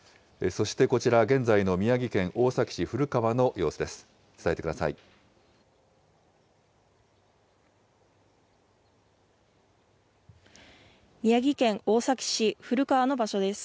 そしてこちら、現在の宮城県大崎市古川の様子です。